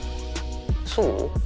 そう？